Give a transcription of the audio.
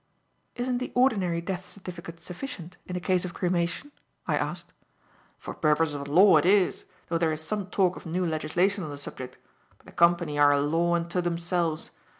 "Isn't the ordinary death certificate sufficient in a case of cremation?" I asked. "For purposes of law it is, though there is some talk of new legislation on the subject, but the Company are a law unto themselves.